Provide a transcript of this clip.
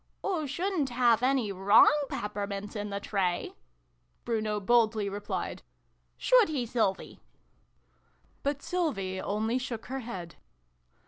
" Oo shouldn't have any wrong peppermints in the tray !" Bruno boldly replied. " Should he, Sylvie ?" But Sylvie only shook her head.